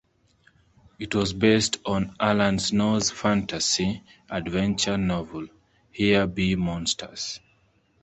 It was based on Alan Snow's fantasy-adventure novel, Here Be Monsters!